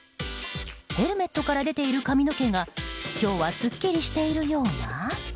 ヘルメットから出ている髪の毛が今日は、すっきりしているような。